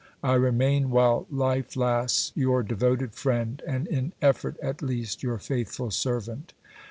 I remain while life lasts your devoted friend, and in effort at least your faithful servant."